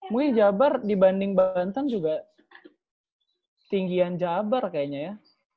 mungkin jabar dibanding banten juga tinggian jabar kayaknya ya